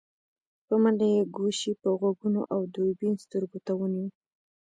په منډه يې ګوشي په غوږو او دوربين سترګو ته ونيو.